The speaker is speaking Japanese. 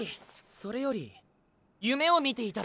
それより夢を見ていただろう！